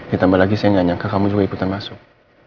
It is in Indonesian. ditambah lagi saya nggak nyangka kamu juga ikutan masuk